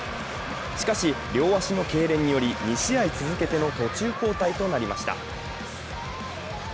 しかし、両足の痙攣により２試合続けての途中交代となりました。